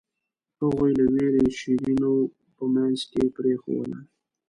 هغوی له وېرې شیرینو په منځ کې پرېښووله.